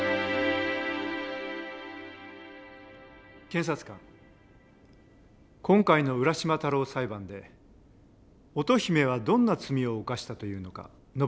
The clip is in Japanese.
検察官今回の「浦島太郎」裁判で乙姫はどんな罪を犯したというのか述べて下さい。